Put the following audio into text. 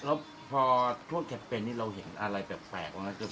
แล้วพอโทษแคปเป็นนี้เราเห็นอะไรแบบแปลกว่างั้น